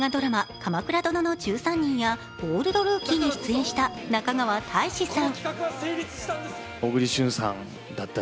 「鎌倉殿の１３人」や「オールドルーキー」に出演した中川大志さん。